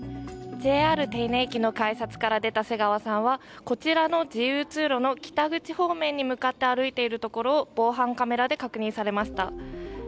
ＪＲ手稲駅の改札から出た瀬川さんは、こちらの自由通路を出て北口方向に歩いているところを防犯カメラで確認されました。